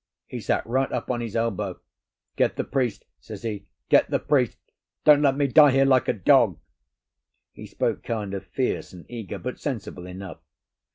He sat right up on his elbow. 'Get the priest,' says he, 'get the priest; don't let me die here like a dog!' He spoke kind of fierce and eager, but sensible enough.